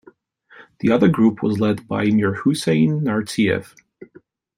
The other group was led by Mirhuseyn Narziev.